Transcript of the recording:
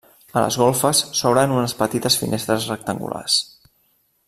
A les golfes s'obren unes petites finestres rectangulars.